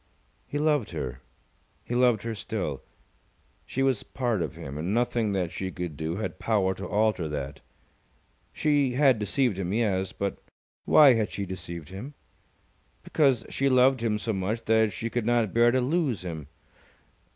He loved her. He loved her still. She was part of him, and nothing that she could do had power to alter that. She had deceived him, yes. But why had she deceived him? Because she loved him so much that she could not bear to lose him.